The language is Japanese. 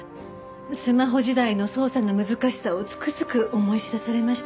スマホ時代の捜査の難しさをつくづく思い知らされました。